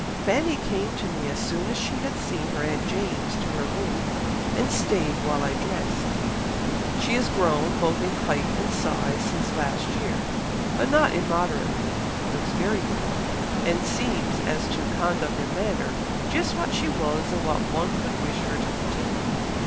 Fanny came to me as soon as she had seen her aunt James to her room, and stayed while I dressed ... she is grown both in height and size since last year, but not immoderately, looks very well, and seems as to conduct and manner just what she was and what one could wish her to continue."